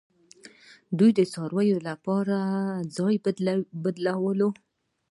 دوی د څارویو لپاره ځای بدلولو